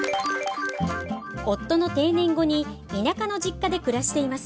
夫の定年後に田舎の実家で暮らしています。